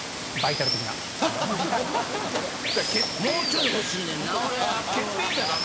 もうちょいほしいねんな。